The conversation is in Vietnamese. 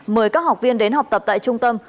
mời các học viên đến học tập tại trung tâm